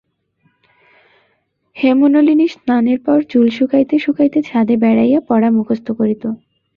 হেমনলিনী স্নানের পর চুল শুকাইতে শুকাইতে ছাদে বেড়াইয়া পড়া মুখস্থ করিত।